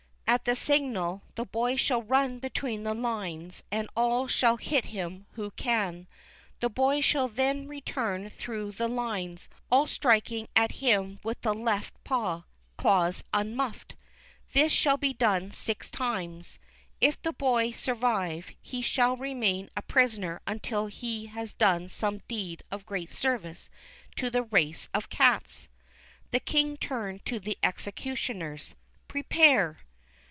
At the signal, the Boy shall run between the lines, and all shall hit him who can. The Boy shall then return through the lines, all striking at him with the left paw, claws unmufiled. This shall be done six times. If the Boy survive, he shall remain a prisoner until he has done some deed of great service to the race of cats.'' The King turned to the executioners: Prepare."